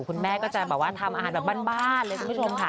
คุณแม่ก็จะแบบว่าทำอาหารแบบบ้านเลยคุณผู้ชมค่ะ